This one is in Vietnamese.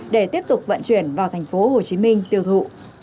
để tiếp tục vận chuyển vào thành phố hồ chí minh tiêu thụ